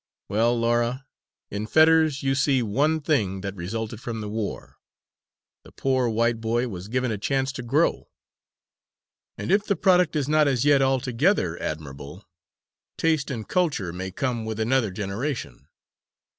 Well, Laura, in Fetters you see one thing that resulted from the war the poor white boy was given a chance to grow; and if the product is not as yet altogether admirable, taste and culture may come with another generation."